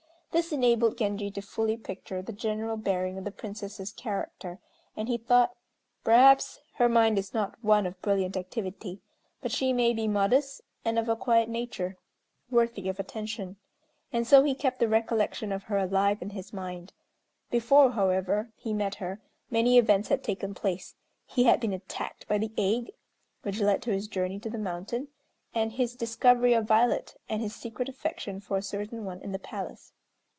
This enabled Genji to fully picture the general bearing of the Princess's character; and he thought, "Perhaps her mind is not one of brilliant activity, but she may be modest, and of a quiet nature, worthy of attention." And so he kept the recollection of her alive in his mind. Before, however, he met her, many events had taken place. He had been attacked by the ague, which led to his journey to the mountain and his discovery of Violet, and his secret affection for a certain one in the palace.